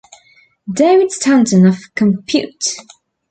David Stanton of Compute!